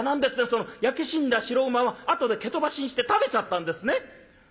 その焼け死んだ白馬はあとで蹴飛ばしにして食べちゃったんですね」。